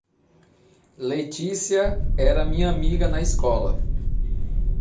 Letícia era minha amiga na escola.